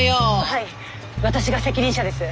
はい私が責任者です。